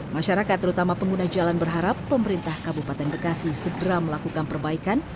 masyarakat terutama pengguna jalan berharap pemerintah kabupaten bekasi segera melakukan perbaikan